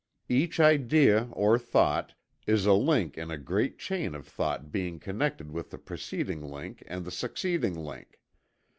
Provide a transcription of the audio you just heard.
Each idea, or thought, is a link in a great chain of thought being connected with the preceding link and the succeeding link.